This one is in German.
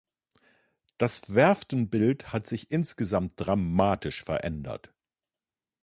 Das Werftenbild hat sich insgesamt dramatisch verändert.